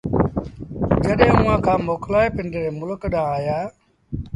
جڏهيݩ اُئآݩ کآݩ موڪلآئي پنڊري ملڪ ڏآݩهݩ آيآ